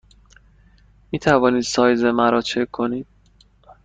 می توانید سایز مرا چک کنید؟